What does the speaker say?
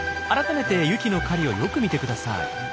改めてユキの狩りをよく見てください。